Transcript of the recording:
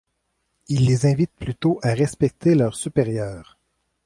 Il les invite plutôt à respecter leurs supérieurs.